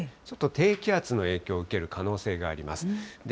ちょっと低気圧の影響を受ける可能性があります。